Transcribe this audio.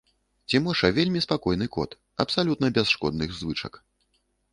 Цімоша вельмі спакойны кот, абсалютна без шкодных звычак.